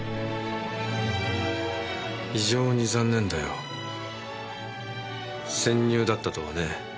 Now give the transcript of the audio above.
非常に残念だよ潜入だったとはね。